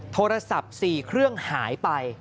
โทรศัพท์๔เครื่องหายไป